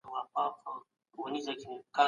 د نورو د خبرو پر ځای اصلي متن ته پام وکړئ.